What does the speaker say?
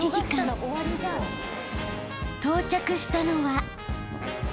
［到着したのは］